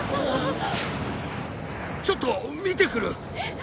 ちょっと見てくる！えっ！？